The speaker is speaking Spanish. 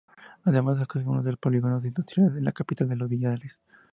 Además acoge uno de los polígonos industriales de la capital, Los Villares.